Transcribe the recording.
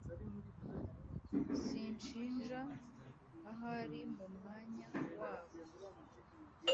sinshinja. ahari mu mwanya wabo